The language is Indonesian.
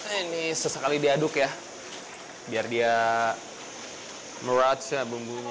ini sesekali diaduk ya biar dia meraca bumbunya